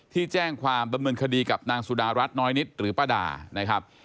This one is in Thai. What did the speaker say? ที่แจ้งความดำเนินคดีกับนางสุดารัฐน้อยนิดหรือป้าดานะครับ